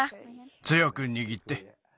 つよくにぎって。